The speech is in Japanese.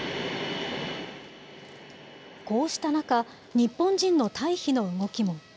こうした中、日本人の退避の動きも。